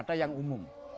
kata kata yang umum